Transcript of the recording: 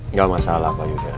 nggak masalah pak yuda